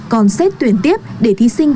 còn xét tuyển tiếp để thí sinh